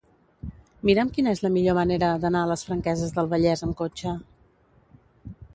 Mira'm quina és la millor manera d'anar a les Franqueses del Vallès amb cotxe.